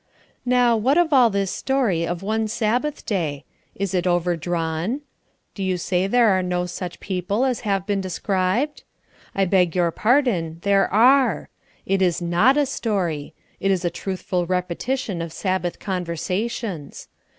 Now, what of all this story of one Sabbath day? Is it overdrawn? Do you say there are no such people as have been described? I beg your pardon, there are. It is not a story; it is a truthful repetition of Sabbath conversations.